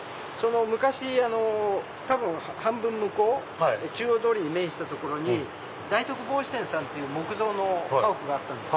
昔多分半分向こう中央通りに面した所に大徳帽子店さんっていう木造の家屋があったんです。